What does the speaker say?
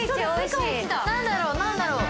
何だろう何だろう？